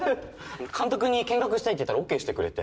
監督に見学したいって言ったらＯＫしてくれて。